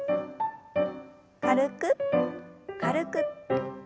軽く軽く。